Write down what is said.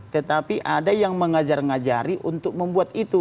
tetapi ada yang mengajar ngajari untuk membuat itu